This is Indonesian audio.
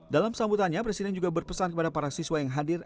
dalam sambutannya presiden juga berpesan kepada para siswa yang hadir